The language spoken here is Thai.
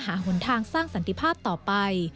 หนทางสร้างสันติภาพต่อไป